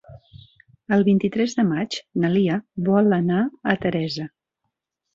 El vint-i-tres de maig na Lia vol anar a Teresa.